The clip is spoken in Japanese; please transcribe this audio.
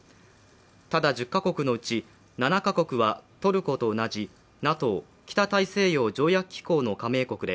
ただ、１０カ国のうち７カ国はトルコと同じＮＡＴＯ＝北大西洋条約機構の加盟国で、